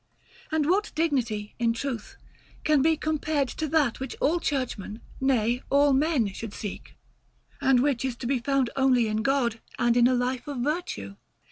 And what dignity, in truth, can be compared to that which all churchmen, nay, all men, should seek, and which is to be found only in God and in a life of virtue?